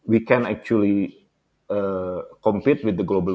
berkumpul dengan pemain global